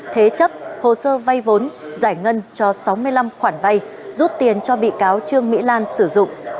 thế chấp hồ sơ vay vốn giải ngân cho sáu mươi năm khoản vay rút tiền cho bị cáo trương mỹ lan sử dụng